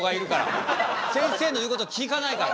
せんせいの言うこと聞かないから。